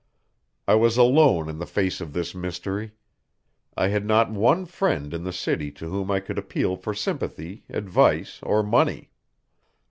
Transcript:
I was alone in the face of this mystery. I had not one friend in the city to whom I could appeal for sympathy, advice or money.